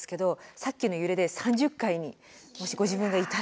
さっきの揺れで３０階にもしご自分がいたらっていう。